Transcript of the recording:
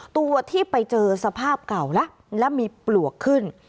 ตัวที่ไปเจอสภาพเก่าแล้วและมีปลวกขึ้น